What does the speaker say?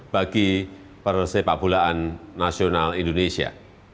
bagi proses pabulaan nasional indonesia